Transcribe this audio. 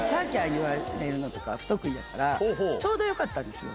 言われるのとか不得意だからちょうどよかったんですよ。